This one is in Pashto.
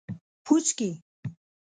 🍄🟫 پوڅکي